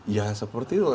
ya seperti itu